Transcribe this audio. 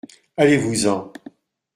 Allez-vous-en.